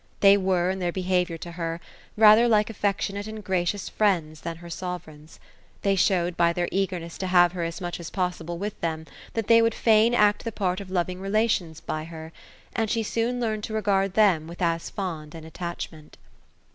They were, in their behaviour to her, rather like affectionate and gracious friends, than her sovereigns. They showed by their eagerness to have her as much as possible with them, that they would fain act the part of loving relations by her ; and she soon learned to regard them with as fond an attachment.